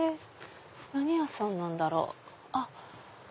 何屋さんなんだろう？